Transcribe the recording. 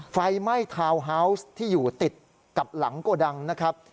ไฟไหม้ทาวน์ฮาวส์ที่อยู่ติดกับหลังโกดังนะครับ